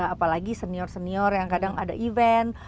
apalagi senior senior yang kadang ada event